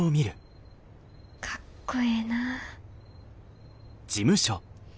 かっこええなあ。